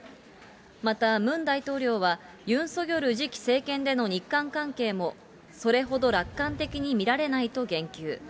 またムン大統領は、ユン・ソギョル次期政権での日韓関係も、それほど楽観的に見られないと言及。